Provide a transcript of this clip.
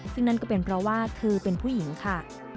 ซึ่งนั่นก็เป็นเพราะว่าเธอเป็นผู้หญิงค่ะ